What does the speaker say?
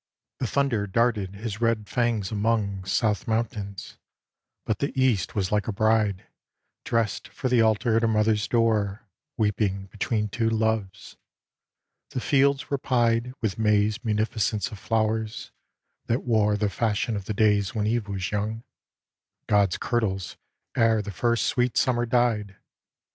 The thunder darted his red fangs among South mountains, but the East was like a bride Drest for the altar at her mother's door Weeping between two loves. The fields were pied With May's munificence of flowers, that wore The fashion of the days when Eve was young, God's kirtles, ere the first sweet summer died.